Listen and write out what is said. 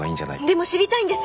でも知りたいんです！